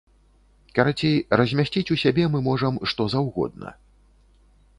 Карацей, размясціць у сябе мы можам, што заўгодна.